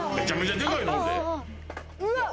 うわっ